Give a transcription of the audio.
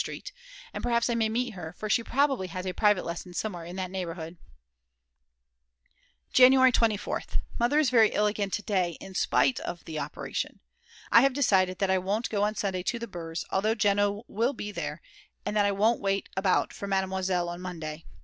Street, and perhaps I may meet her, for she probably has a private lesson somewhere in that neighborhood. January 24th. Mother is very ill again to day, in spite of the operation. I have decided that I won't go on Sunday to the Brs. although Jeno will be there, and that I won't wait about for Mademoiselle on Monday.